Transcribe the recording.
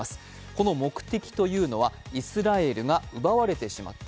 この目的というのは、イスラエルが奪われてしまった。